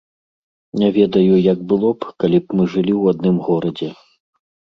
Не ведаю, як было б, калі б мы жылі ў адным горадзе.